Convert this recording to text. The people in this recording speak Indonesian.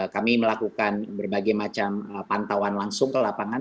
kami melakukan berbagai macam pantauan langsung ke lapangan